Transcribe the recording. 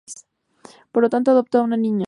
Por tanto, adopta a una niña.